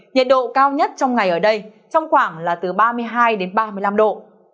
nhiệt độ cao nhất trong ngày ở đây trong khoảng là từ ba mươi hai đến ba mươi năm độ